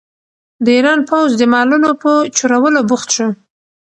د ایران پوځ د مالونو په چورولو بوخت شو.